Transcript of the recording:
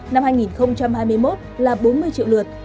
năm hai nghìn hai mươi một là bốn mươi triệu lượt